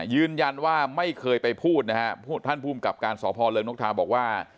ยืนยันว่าไม่เคยไปพูดนะฮะท่านภูมิกับการสพเริงนกทาบอกว่า